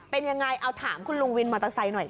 เป็นยังไงเอาถามคุณลุงวินมอเตอร์ไซค์หน่อยค่ะ